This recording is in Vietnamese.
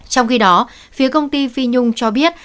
trong khi đó phía công ty phi nhung cho biết